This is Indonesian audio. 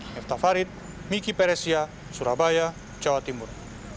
miftah farid miki peresia surabaya jawa timur